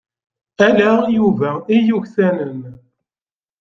Ala Yuba i yuksanen.